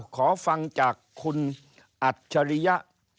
ขอฟังจากคุณอัจฉริยะ